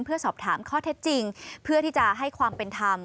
เพื่อสอบถามข้อเท็จจริงเพื่อที่จะให้ความเป็นธรรม